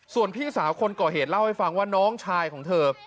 ส่วนพี่สาวคนก่อเหตุเล่าให้ฟังว่าน้องชายของเธอ